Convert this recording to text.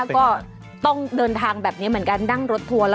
ก็ต้องเดินทางแบบนี้เหมือนกันนั่งรถทัวร์